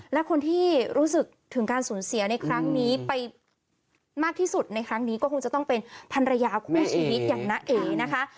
และคนที่รู้สึกถึงการสูญเสียในครั้งนี้ไปมากที่สุดในครั้งนี้ก็คงจะต้องเป็นภรรยาคู่ชีวิตอย่างน้าเอนะคะ